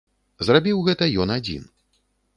Зрабіў гэта ён адзін.